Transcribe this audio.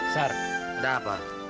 sar ada apa